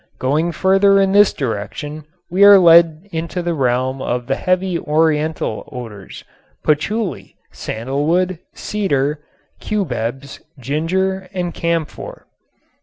Going further in this direction we are led into the realm of the heavy oriental odors, patchouli, sandalwood, cedar, cubebs, ginger and camphor.